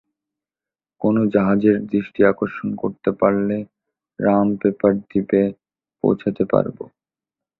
কোনো জাহাজের দৃষ্টি আকর্ষণ করতে পারলে, রাম পেপার দ্বীপে পৌঁছাতে পারবো।